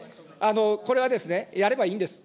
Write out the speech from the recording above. これはやればいいんです。